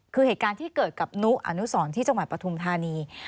คือเหตุการณ์ที่เกิดกับนุอนุสรที่จังหวัดปฐุมธานี